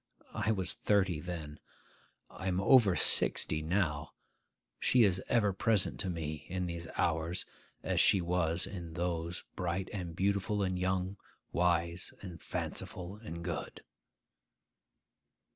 I was thirty then; I am over sixty now: she is ever present to me in these hours as she was in those, bright and beautiful and young, wise and fanciful and good.